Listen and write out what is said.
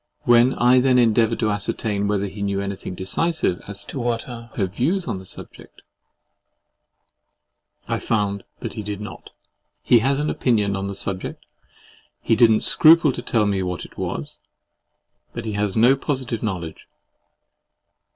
—When I then endeavoured to ascertain whether he knew anything decisive as to what are her views on the subject, I found that he did not. He has an opinion on the subject, and he didn't scruple to tell me what it was; but he has no positive knowledge.